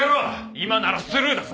今ならスルーだぞ！